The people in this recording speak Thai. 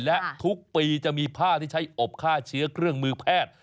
และทุกปีจะมีผ้าที่ใช้อบฆ่าเชื้อเครื่องมือแพทย์